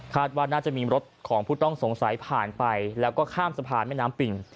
ว่าน่าจะมีรถของผู้ต้องสงสัยผ่านไปแล้วก็ข้ามสะพานแม่น้ำปิ่ง